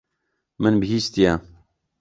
Min bihîstiye.